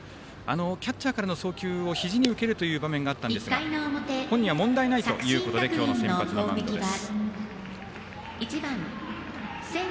キャッチャーからの送球をひじに受けるという場面があったんですが本人は問題ないということで今日の先発のマウンドです。